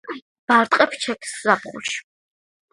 ბარტყებს ჩეკს ზაფხულში.